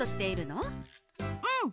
うん！